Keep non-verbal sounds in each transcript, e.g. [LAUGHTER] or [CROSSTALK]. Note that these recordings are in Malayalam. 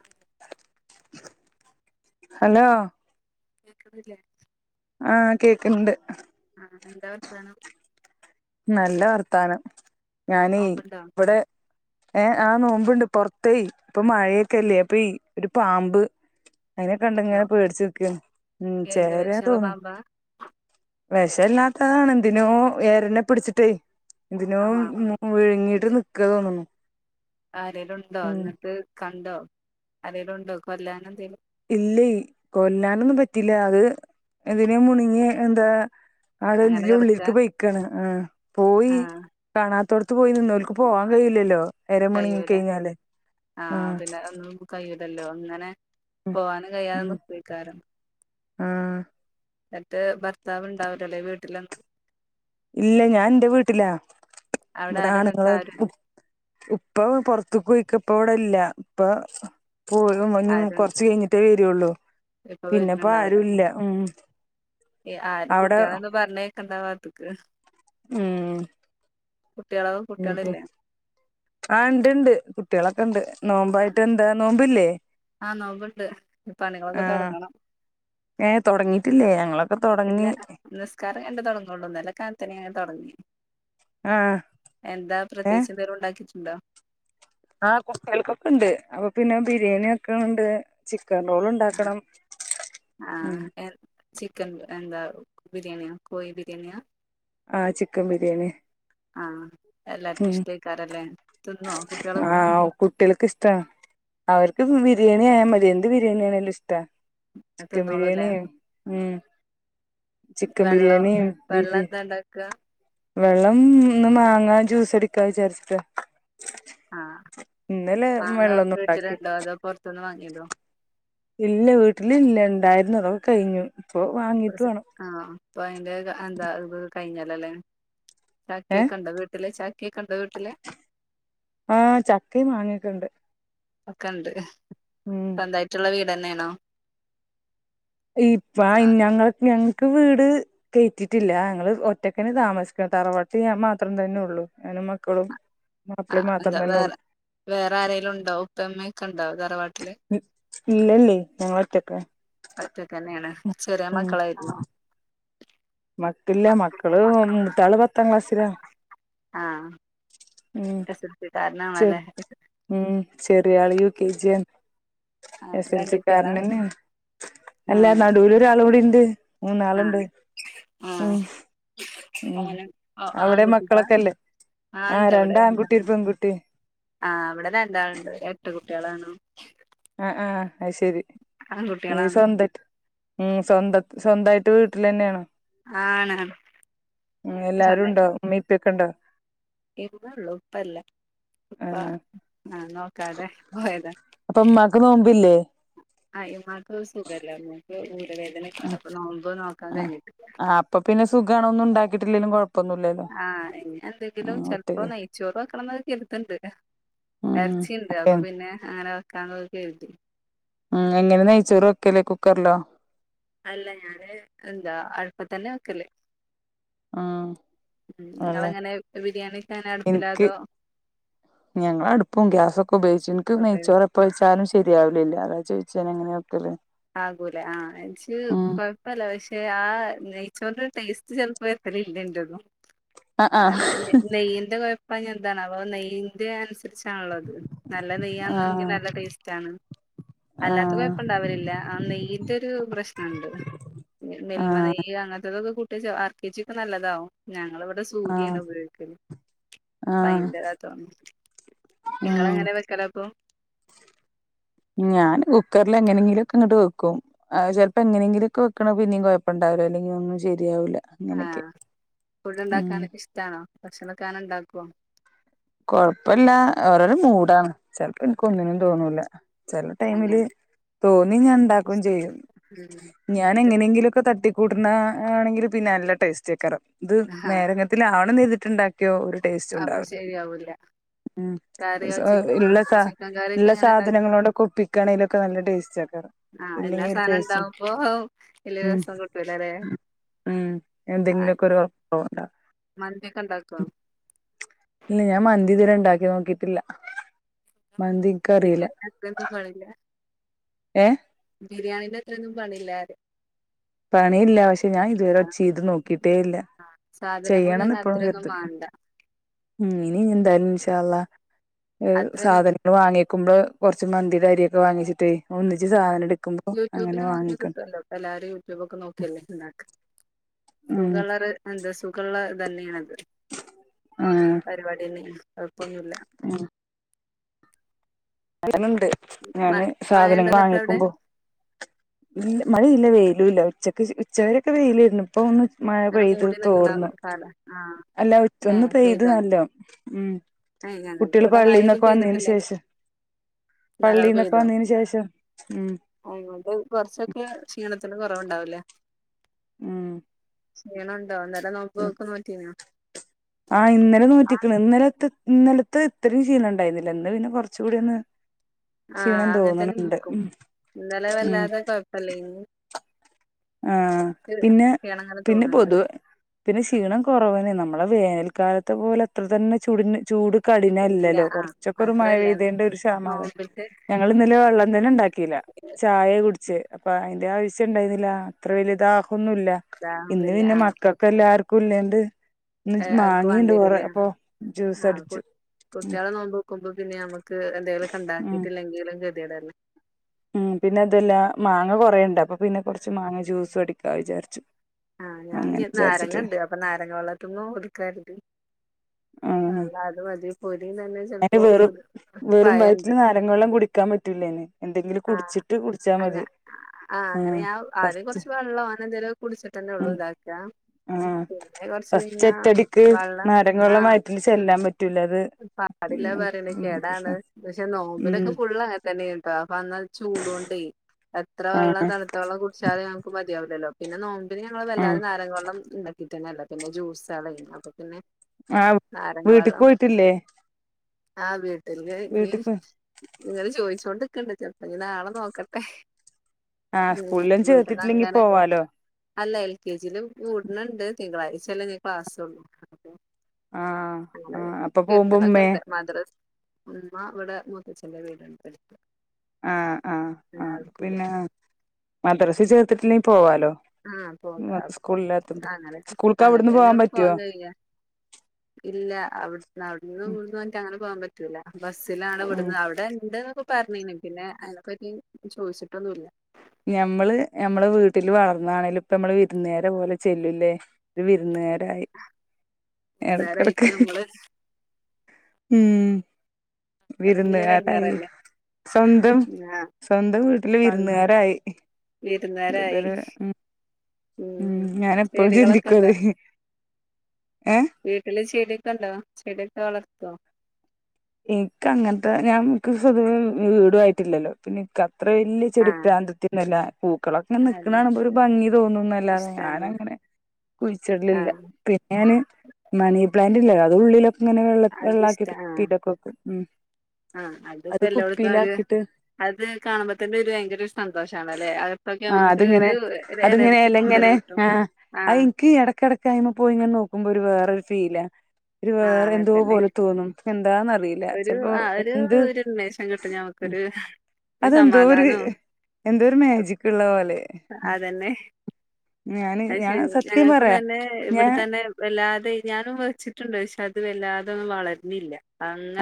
കേൾക്കുന്നില്ലേ? ഹലോ കേക്കുന്നില്ലേ ആ കേക്കണ്ട് ആ എന്താ വർത്താനം നല്ല വർത്താനം ഞാനീ നോമ്പുണ്ടോ ഇവിടെ ഏ ആ നോ ഇപ്പണ്ട് പോർത്തെ ഇപ്പൊ മഴയൊക്കെല്ലേ അപ്പൊ ഇ ഒരു പാമ്പ് അയിനെ യോ കണ്ടങ്ങനെ പേടിച് നിക്ക ഉം എന്ത് ചേരന്ന് വിഷള്ള തോന്നു പാമ്പാ വിഷല്ലാത്തതാണ് എന്തിനോ എരനെപിടിച്ചിട്ടേ എന്തിനോ ആണോ വിഴുങ്ങിട്ട് നിക്ക തോന്നുന്നു ആരേലുണ്ടോ ന്നിട്ട് കണ്ടോ അരെലുണ്ടോ കൊല്ലാനെന്തേലും ഇല്ലെ കൊല്ലാനൊന്നും പറ്റീല്ല അത് എന്തിനെ മുണ്ങ്ങി എന്താ ആടെ അങ്ങനെ എന്തിന്റെയോ കിടക്കാ ഉള്ളിൽക്ക് പോയിക്കാണ് ആ പോയി ആ കാണാ അ പോയി നിന്നോല്ക്ക് പോവാൻ കഴിയില്ലല്ലോ എര മുണിങ്ങി കഴിഞ്ഞാല് ആഹ ആഹ് പിന്നെ ഒന്നും കയ്യൂലല്ലോ അങ്ങനെ പോവാനും കഴിയാതെ നീക്കെക്കാരം ആ എന്നട്ട് ഭർത്താവ് ഇണ്ടാവലല്ലേ വീട്ടിലോ ഇല്ല ഞാൻ ന്റെ വീട്ടിലാ അവിടെ ആരാ എന്നിട്ട് ഇവിടാണുങ്ങൾ ഉ ആരുല്ലേ ഉപ്പ പുറത്തക്ക് പോയിക്ക ഇപ്പ ഇവിടെല്ല ഇപ്പ പോ [INAUDIBLE] ആരും കുറച്ച് കഴിഞ്ഞിട്ടേ വരുള്ളൂ ഇപ്പൊ പിന്നെപ്പ വരല്ണ്ടാവുല്ലല്ലോ ആരുല്ല ഉം ആര് അവിടെ കുട്യളോന്നും പറഞ്ഞ കണ്ടാവാത്ത്ക്ക് ഉം കുട്ടികളില്ലേ ആ ഇണ്ട് ഇണ്ട് കുട്ടികളൊക്കെണ്ട് നോമ്പായിട്ട് എന്താ നോമ്പില്ലേ ആ നോമ്പുണ്ട് ആ പണികളൊക്കെ തുടങ്ങണം ഏ തോടങ്ങീട്ടില്ലേ ഞങ്ങളൊ ഇല്ല നിസ്കാരം എന്റെ തുടങ്ങള്ളൂന്നലെ കാ [UNINTELLIGIBLE] ങ്ങനെ തുടങ്ങി ആഹ് എന്താ പ്രത്യേകിച്ച് എന്തേലും ഉണ്ടാക്കിട്ടുണ്ടോ ആഹ കുട്യാൾക്കൊക്കെണ്ട് അപ്പൊ പിന്നെ ബിരിയാണി വെക്ക ഉണ്ട് ച്ചി ആ ആ ഉം എ ചിക്കൻ എന്താ ബിരിയാണിയോ കോഴി ബിരിയാണ്യ ആ ചിക്കൻ ബിരിയാണിയ ആ എല്ലാർക്കും ഇഷ്ട്ടേയ്ക്കാരല്ലേ ആ കുട്യാൾക്ക് ഇഷ്ട അവർക്ക് ബിരിയാണി ആയാ മതി എന്ത് ബിരിയാണിയാണേലും ഇഷ്ടാ ചിക്കൻ തിന്നോളൂല്ലേ ബിരിയാണിയ ഉം ചിക്കൻ വെള്ളം ബിരിയാണി വെള്ളം ബീഫ് എന്താ ഉണ്ടാക്കുക വെള്ളം ന്ന്മാങ്ങാ ജ്യൂസടിക്കാ വിചാരിച്ചിട്ട ആഹ് ഇന്നലെ മാങ്ങ വെള്ളോന്നും ഉണ്ടാക്കി വീട്ടിലുണ്ടോ അതോ പുറത്തുന്ന് വാങ്ങിയതോ ഇല്ല വീട്ടിൽല്ല രണ്ടായിരുന്നതൊ കഴിഞ്ഞു ഇപ്പൊ വാങ്ങീട്ട് വേണം ആഹ അപ്പൊ അയിന്റെ എന്താ ഇ കഴിഞ്ഞാലല്ലേ ഏ ചാക്കിയെ കണ്ട വീട്ടില്െ ചാക്കിയെ കണ്ട വീട്ടില്െ ആഹ ചക്കയും വാങ്ങിട്ടുണ്ട് ഒക്കെ ഇണ്ട് എന്തായിട്ടുള്ള വീട്ന്നെയ ആണോ ഇപ്പ ഞങ്ങ ഞ ക്ക് വീട് കയറ്റിട്ടില്ല ഞങ്ങള്ൾ ഒറ്റക്കന് താമസിക്ക തറവാട്ടഞാൻ മാത്രം തന്നെ ഉള്ളൂ പെ മക്കളും ആഹ മാപ്പിളയും മാത്രം എന്താ തന്നെ ഉള്ളു വേറെ വേറെ ആരങ്കലും ഉണ്ടാവും ഉപ്പമ്മയൊക്കെ ഉണ്ടാവും തറവാട്ട ഇല്ല ഇല്ല ഞങ്ങ വത്തക്ക ഒറ്റ തന്നെയാണ് ചെറിയ മക്കളായിരുന്നോ മക്കില്ല മക്കള് മുറ്റാള് പത്താം ക്ലാസ്സിലാ ആഹ് ഉ എസ് എൽ സി കാരനാണല്ലേ ശരി ഉം ചെറിയള യു കെ ജെൻ ആഹ് എസ് എൽ രണ്ട് കുട്ടികളാ സിക്കാരന തന്നെ അല്ല ആഹ് നടുവൽ ഒരാള കൂടി ഇണ്ട് മ നളുണ്ട് ആഹ് ആഹ് ഉം ഉം ഓനും അവിടെ ആൺകുട്ടികളാ മക്കളൊക്കെല്ലേ ആഹ രണ്ട ആൺകുട്ടിരു പെൺകുട്ടി ആഹ അവിടന്ന് എന്താണ്ട് എട്ട് കുട്ടികളാാണ് ആഹ ആഹ് അ ശരി ഈ ആൺകുട്ടികളാണ് സ്വന്ത ഉം സ്വന്ത സ്വന്തമായിട്ട് വീട്ടിൽ തന്നെയാണ് ആണ് ആണ് ഉ എല്ലാരും ഇണ്ട്ോ ഉമ്മീപ്പൊക്കെ ഉണ്ട് ഇ ഉള്ളു ഉപ്പല്ല ഉപ്പ ആഹ് ആ നോ ക്കാതെ പോയതാ ബിലേ വേദന ആഹ് അപ്പൊ നോമ്പോ നോക്കാൻ കഴിഞ്ഞിട്ടില്ല പാക്കില്ലുംഴപ്പന്നും ആഹ ഇനി എന്തെങ്കിലും ചെിലപ്പോ ഒറ്റക്ക് നെയച്ചോറ് വെക്കണം എന്നക്ക ചെരുത്തണ്ട് ഇരച്ചിണ്ട് അപ്പൊ ഉം പിന്നെ അങ്ങനെ വെക്കാൻോക്കഴട്ടി ഉം എങ്ങനെ നെയയിച്ചോറ ഒക്കല്ലേ കുക്കറിലോ അല്ല ഞാന് എന്താ അഴപ്പ തന്നെ വക്കലേ ഉം ഉം അല്ലെ നിങ്ങളങ്ങനെ ബിരിയാണിന അടുപ്പില്ലതോ ഞങ്ങള അടുപ്പും ഗ്യാസൊക്കെ ഉപയോഗിച്ചു എനിക്ക് നെയ്ച്ചോർ എപ്പ വെച്ചാലും ശരിയാവലില്ല അത ചോദിച്ചാൻ എങ്ങനെയൊക്കെല്ലേ ആകൂലെ ആഹ എനി കൊഴപ്പല്ല പക്ഷെ ആ ച്ചോറി ഒരു ടേസ്റ്റ് ചെപ്പോ എത്ര ഇല്ലണ്ടും ആഹ് ആഹ് നെയ്യന്റെ അ എന്താണ്ണ അവ ന ഇ തിരിച്ചാണല്ലോ അത് നല്ല നെയ്യാെങ്കിൽ ആഹ് നല്ല ടേസ്റ്റ് ആണ് അല്ലാത്ത ആഹ് കൊഴപ്പ ഉണ്ടാവലില്ല നെയന്റെ ഒരു പ്രശ്നുണ്ട് മെമ ആഹ് നെയ്ന ക്കെ കട്ട ആർ കെച്ചി ഒക്കെ നല്ലതാാവും ഞങ്ങ ഇവിടെ ആഹ് സൂര്യാണ് ഉപയോഗിക്കുന്നത് ആഹ് ഭയന്റെതാ തോന്നുന്നു നിങ്ങള ഉം എങ്ങനെ വെക്കലോ ഇപ്പൊ ഞാൻ കുക്കറൽ എങ്ങനെങ്കിലൊക്കെ ഇങ്ങോട്ട് വെക്കും ചിലപ്പോ എങ്ങനെങ്കിലൊക്കെ വെക്കണ പിന്നീ കുഴപ്പമണ്ട അല്ലെ അനെ ശരി ആഹ ഫുഡ് ഉം ഉണ്ടാക്കാൻ ഇഷ്ടണോ ഭക്ഷണ കാന ഇണ്ടാക്കുവോ കൊഴപ്പില്ല ഓരോരു മൂടാണ് ചിലപ്പോ എനിക്ക് ഒന്നിനും തോന്നൂല ചില ടൈമില് അങ്ങനെ തോന്നി ഞാൻ ഉണ്ടാക്കുകയും ചെയ്യുന്നു ഉം ഞാൻ ഇത് എങ്ങനെയെങ്കിലുംൊക്കെ തട്ടി കൂടുന്ന ആണെങ്കിൽ പിന്നെ നല്ല ടേസ്റ്റ് ആക്കറ ഇത് ആഹാ നേരെങ്ങ ആവണം ചെയ്തിട്ടുണ്ടാക്കി ക്കൊ ഒരു ടേസ്റ്റ് ഉണ്ടാവില്ല ല്ല ഉം ഉള്ള സാ കറിയൊക്കെ ഉള്ള എങ്ങനെ ഉണ്ടാക്കി സാധനങ്ങളോടെൊക്കെ ഒപ്പിക്കണെലൊക്കെ നല്ല ടേസ്റ്റ് ആക്കാറ് ആഹ് എല്ലാ സാധനം ഇണ്ടാവുമ്പോ വലിയ ഉം രസം കിട്ടൂലല്ലേ ഉം എന്തെങ്കിലുമൊക്കെ ആഹ് ഒരു [UNINTELLIGIBLE] മന്തിയൊക്കെ ഉണ്ടാക്കുവോ? ഇല്ല ഞാൻ മന്തി ഇത് വരെ ഇണ്ടാക്കി നോക്കിട്ടില്ല. മന്തി എനിക്കറിയില്ല ബിരിയാണിടെ അത്രേം ഒന്നും പാടില്ല ഏ ബിരിയാണീന്റത്രൊന്നും പണില്ലാർയ പണിയില്ല പക്ഷെ ഞാൻ ഇതുവരെ ചെയ്ത് നോക്കിട്ടേ ല്ല സാധനങ്ങളൊന്നും ചെയ്യണം ന്ന് തന്നെ എപ്പഴും അത്രയൊന്നും കര്തും വാണ്ട ഉം ഇനി എന്തായാലും ഇൻഷാ അള്ളാ അത്രയൊന്നും സാധനങ്ങള് വാങ്ങി ക്കുമ്പോ കൊർച്ച് മന്തിടെ അരിയൊക്കെ വാങ്യെച്ച്ട്ടെ ഒന്നിച്ച് ആഹ് സാധനം ട്ക്കുമ്പോ അങ്ങനെ യൂട്യൂബില് നോക്കി വാങ്ങിക്കാ കിട്ടുവല്ലോ ഇപ്പ [UNINTELLIGIBLE] നോക്കിയല്ലേ ഇണ്ടാക്ക ഉം സുഖള്ളർ സുഖള്ള ത് ന്നെണ് അത് ആഹ് പരിപാടിന്നെ കൊഴപ്പൊന്നുല്ല ഉം അങ്ങന്ണ്ട് മ ഞാന് സാധനം മഴണ്ടോ ന്നിട്ട് അവിടെ വാങ്ങിക്കുമ്പോ മഴയില്ല വേയ് ല്ല ഉച്ചക്ക് ശേ ഉച്ചവെരൊക്കെ വെയിലേര്ന്നു ഇപ്പൊ ഒന്ന് മഴ ഇങ്ങനെ പെയ്ത് മൂടി നിക്കണ തോർന്നു കാല ആഹ് അല്ല ഒറ്റ ഒന്ന് ഏഹ് പെയ്ത് പെയ്തോ നല്ലോ ഏഹ് കുട്ട്യാള് പള്ളിന്നൊക്കെ വന്നേന് ശേഷം നല്ലോണം പള്ളീന്നൊക്കെ പെയ്തോ വന്നതിന് ശേഷം ഉം ആ അത് കൊർച്ചൊക്കേ ക്ഷീണ ത്തിന് കൊറവുണ്ടാവൂലേ ഉം ക്ഷീണണ്ടോ ഇന്നലെ നോമ്പൊക്കെ നോറ്റിനോ ആ ഇന്നലെ നോറ്റ്ക്ക്ണ് ഇന്നലത്തെ ഇന്നലത്തെ ഇത്രയും ശീണം ണ്ടായിരുന്നില്ല ഇന്ന് പിന്നെ കൊർചൂടി ഒന്ന് ആഹ് ക്ഷീണം അങ്ങൻത്തെന്നെ തോന്നണുണ്ട് ൻക്കും ഉം ഇന്നലെ ഉം വെല്ലാതെ കൊഴപ്പല്ലേന് ആഹ് പിന്നെ ക്ഷീണങ്ങനെ പിന്നെ തോന്ന്ണ്ട് പൊതുവേ പിന്നെ ക്ഷീണം കൊറവനെ നമ് മ്മളത് വേനൽക്കാലത്തെ പോലെ ത്ര തന്നെ ചൂട് ചൂട് ഇല്ല കഠിനല്ലല്ലോ ആഹ് കൊറച്ചൊക്കൊരു മഴ അത്രല്ല പെയ്തേന്റെ ഒരു [UNINTELLIGIBLE] നോമ്പിന്റെ ഞങ്ങളിന്നലെ വെള്ളം തെന്നെ ണ്ടാക്കില്ല ചായ കുടി ച്ച് അപ്പ അയ്ന്റെ ആവശ്യം ണ്ടായ്ന്നില്ല അത്ര വെല്യ ദാ - ഹൊന്നുല്ല ഇതാ ഇന്ന് ഒന്നില്ല പിന്നെ മക്കക്കെല്ലാർക്കും ഇല്ലാണ്ട് ഇന്ന് ജ് ആഹ് അവർക്ക് മാങ്ങീണ്ട് വേണ്ടി കൊറെ വരൂല്ലേ അപ്പൊ ജ്യൂസ് ആഹ് കു അടിച്ചു ഉം കുട്ടിയേള് നോൽമ്പോക്കുമ്പം പിന്നെ നമുക്ക് എന്തേലൊക്കെ ഉം ഉണ്ടാക്കിട്ടില്ലെങ്കിലും കെ ത്യേടല്ലേ. ഉം പിന്നെ അതു അല്ലാ മാങ്ങ കൊറേണ്ട് അപ്പ പിന്നെ കൊർച്ച് മാങ്ങ ജ്യൂസു അടിക്കാ വിചാരിച്ചു. ആഹ് ഞാൻ അങ്ങനെ ഇഞ് വിചാരിച്ചിട്ട് നാരങ്ങണ്ട്. അപ്പൊ നാരങ്ങ വെള്ളത്തിമ്മ ഒതുക്കാര്തി. അല്ല അത് മതി പൊരിം തന്നെ അയ്ന് ചെലപ്പോ വെറും ഒരു വെറും പഴണ്ട് വയറ്റില് നാരങ്ങ വെള്ളം കുടിക്കാൻ പറ്റൂല്ലയ്ന്. എന്തെങ്കിലും കുടിച്ചിട്ട് കുടിച്ചാ മ ങ്എ ആഹ് അങ്ങനെ ഞാ ആദ്യം കൊറച്ച് വെള്ളം അങ്ങനെന്തേലും കുടിച്ചിട്ടന്നെ ഒള്ളൂ ഉം ഇതാക്കാ. ആഹ് ഫസ്റ്റ് ഒറ്റടിക്ക് വെള്ളം നാരങ്ങ വള്ളം വയറ്റിൽ ചെല്ലാൻ പറ്റൂല്ല അത് അത് ല്ലാ ഉം പറിണ് ഉം കേടാണ്. പ്രശ്ന പക്ഷെ ഉം നോമ്പിനൊക്കെ ഫുള്ളങ്ങത്തന്നേന്ട്ടോ അപ്പ അന്നത് ചൂടോണ്ടേ എത്ര വെള്ളം ആഹ് തണുത്ത വെള്ളം കുടിച്ചാലും ഞമക്ക് മതിയാവുലല്ലോ. പിന്നെ നോമ്പിന് ഞങ്ങൾ ആഹ് വെല്ലാതെ നാരങ്ങ വള്ളം ഉണ്ടാക്കി ട്ടന്നല്ല. പിന്നെ ജുസ്സാളേനി അപ്പ പിന്നെ ആഹ് വീട്ട് ക്ക് പോയിട്ടില്ലേ? ആഹ് വീട്ടില് ഇനി വീട്ടിക്ക് ങ്ങള് ചോയിച്ചോണ്ട് ക്കണ്ട് ചെൽപ്പ ഇഞ് നാളെ നോക്കട്ടെ. ആഹ് സ്കൂളിലും ഉമ് വീട്ട്ന്ന് ചേർത്തിട്ടില്ലെങ്കി അങ്ങനെ പോവാലോ അല്ല എൽ കെ ജി ലും കൂട്ണ് ണ്ട്. തിങ്കളാഴ്ചല്ലേ ഇഞ് ക്ലാസ് ഒള്ളു അപ്പൊ ആഹ് നാളെ ആഹ് അപ്പൊ പോകുമ്പോ ഉമ്മേ [UNINTELLIGIBLE] മദ്രസ് ഉമ്മ ഇവിടെ മൂത്തച്ചന്റെ വീട്ണ്ട്. അട്ത്ത്. ആഹ് ആഹ് ആഹ് പോവും പിന്നെ മദ്രസി ചേർത്തിട്ടില്ലെങ്കി പോവാലോ. ആഹ പോക്ക അ സ്കൂളില്ലാത്തുമ്പോ അങ്ങനെ സ്കൂൾക്ക് അങ്ങനത്തെ അവിടുന്ന് പോവാൻ എന്നന്നെള്ള പോവാാൻ പറ്റുവോ കഴിയ ഇല്ല അവിടു അവിന്ന് പോവൻ പറ്റ ബസിലാണ് ഉം വിടുന്നത് അവിടെ പറഞ്ഞീനക്കില്ലെ അതിനെപ്പറ്റി ചോദിച്ചിട്ടൊന്നുമല്ല ഞമ്മള് ഞമ്മെ വീട്ടില് വളർന്നാണെലും ഇപ്പ നമ്മള് വിരുന്നേര പോലെ ചെല്ലൂല്ലേ ഒരു വിരുന്നുകാരായി എടക്ക എടക്ക് വിരുന്നാരായിട്ട് നമ്മള് ഉം വിരന്ന് എടങ്ങേല് ഒരു ആരായി എടങ്ങേറല്ലേ സ്വന്തം ആഹ് സ്വന്തം വീട്ടില് വിരുന്നുകാരായി വീരുന്നേരായി ഇതൊരു ഉം ഉ ഉം ഞാനെപ്പഴും ചെടികളൊക്കെ ചിന്തിക്കും ഇണ്ടാ അത് ഏഹ് വീട്ടില് ചെട ക്കണ്ടോ ചെടിയൊക്കെ വളർത്തോ എനക്ക് അങ്ങനത്തെ ഞാൻ എനിക്ക് വീടുായിട്ടില്ലല്ലോ പിന്നെ അത്ര വലിയ ചെടി ആഹ് പ്ര്രാന്തത്തിന്നല്ല മുക്കളൊക്കെ അല്ല നിക്കണണ്പൊ ഒരു ഭംഗി തോന്നുന്നന്നല്ലാത ഞാന ഇഷ്ടാണ് അങ്ങനെ കുഴിച്ചിടലില്ല ആഹ് പിന്നെ ഞാന് മണി പ്ലാന്റ്ല്ല ഉള്ളിലൊക്കെ ഇങ്ങനെ വെള്ള വെള്ളക്കി കീറ്റക്കെക്കും ഉ ആഹ അതി ഇപ്പോ എല്ലായിടത്തുംര് അത് കാണുമ്പോ തന്നെ ഒരു ഭയങ്കര ഒരു സന്തോഷമാണ്ല്ലെ അകത്തൊക്കെ നമുക്ക് അതിങ്ങനെ ഒരു അതിങ്ങനെ എനർജി കൂടുതൽ എലങ്ങനെ കിട്ടും ആ ആ ആഹ് എനിക്ക് ഇടക്കിടയ് ആയ്മ പോയി ഇങ്ങനെ നോക്കുമ്പോ ഒരു വേറെ ഫീ ഇ വേറെ ആഹ് എന്തോ അതന്നെ പോലെ തോന്നും എന്താന്ന്റിയില്ല ഒരു ചിലപ്പോ ആ ഒരു എന്ത് ഒരു ഉന്മേഷം കിട്ടും ഞമ്മക്കൊരു ഒരു അതെന്തോ ഒരു സമാധാനവും എന്തോ ഒരു മേജിക്ള്ള പോലെ അതന്നെ ഞാന് അത് ഞാൻ ശരി സത്യം ഞങ്ങൾക്ക് പറയാ തന്നെ ഞാൻ ഇവിടെ തന്നെ വല്ലാതെ ഞാനും വെച്ചിട്ടു ണ്ട് പക്ഷേ അത് വല്ലാതൊന്നും വളര്ഞ്ഞില്ല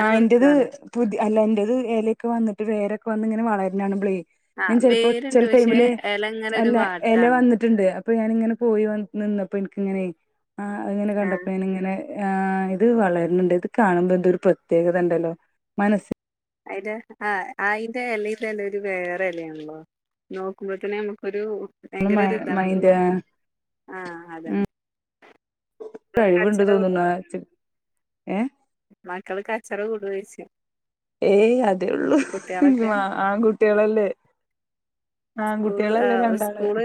ആ എന്റത് പുതിയ അല്ല എന്റത് എലയൊക്കെ വന്നിട്ട് വേരൊക്കെ വന്നിങ്ങനെ വളര്ഞ്ഞെ കാണുമ്പളേ ആ ഞാൻ ചിലപ്പോ ചില വേരുണ്ട് പക്ഷെ ടൈമില് എല ഇങ്ങനെ ഒരു അല്ല ഇല വാട്ടാണ് വന്നിട്ടുണ്ട് അപ്പൊ ഞാനിങ്ങനെ പോയി നിന്നപ്പോ എനിക്കിങ്ങനെയ അങ്ങനെ കണ്ടപ്പോ ആഹ് ഞാനിങ്ങനെ ആ ഇത് വളരുന്നുണ്ട് ഇത് കാണുമ്പോ എന്തോ ഒരു പ്രത്യേകത ഉണ്ടല്ലോ മനസ്സി അതിന്റെ ആ അതിന്റെ ഇലതല്ല ഒരു വേറെ ഇലയാണല്ലോ നോക്കുമ്പോത്തന്നെ നമുക്കൊരു ഭയങ്കര മ ഒരു ഇതാണ് മൈൻഡ് ആ അതന്നെ മക്കള് കഴിവുണ്ട് കച്ചറ കൂടോ തോന്നുന്നു ഏ മക്കൾ കച്ചറ കൂടു വച്ചു ഏയ് അതേള്ളു കുട്ട്യാളൊക്കെ [UNINTELLIGIBLE] ആൺകുട്ടികളല്ലേ സ്കൂള് ആ ആൺകുട്ടികളല്ലേ രണ്ടാള് സ്കൂള്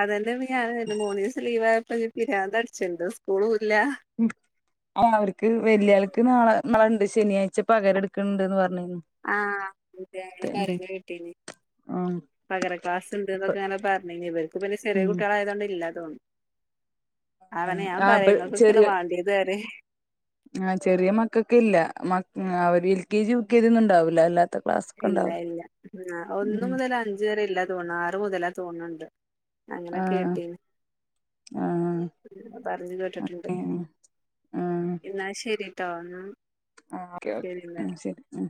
അതെന്നെ പ്പോഞാന് പറഞ്ഞേമൂന്നീസം ലീവ് ആയപ്പോ പിരിാന്തടിച്ച്ണ്ട് സ്കൂളൂല്ല ആ അവർക്ക് വെല്യായാൾക്ക് നാള നാളണ്ട് ശനിയാഴ്ച പകരം എടുക്കണ്ട്ന്ന് പറഞ്ഞ് ആ അതെ പറയുന്ന കേട്ടീനി ആ പകര ക്ലാസുണ്ട് അപ്പൊ എന്നൊക്കെ അങ്ങനെ പറഞ്ഞ ഇവർക്ക് പിന്നെ ചെറിയ ഉം കുട്ടികളായതുകൊണ്ട് ഇല്ലാ തോന്നുന്നു അവനെ ഞാൻ ആ പറയങ്ങൾക്കെ ചെറിയ ക്കെയല്ലേ വേണ്ടിയത് റിയാ ആ ചെറിയ മക്കൊക്കെ ഇല്ല മ അവര് L K G U K G ഒന്നും ഉണ്ടാവില്ല അല്ല ഇല്ല ഇല്ല ഒന്ന് ഉം മുതല് അഞ്ച് വരെ ഇല്ല തോന്ന്ണ് ആറ് മുതലാ തോന്ന്ണ്ട് അങ്ങനെ ആ കേട്ടീന് ആ പറഞ്ഞു കേട്ടിട്ടുണ്ട് ആ എന്നാൽ ശരിട്ടോ എന്നാ ആ ഓക്കെ ഓക്കെ ശരി ന്നാല് ആ ശരി ഉം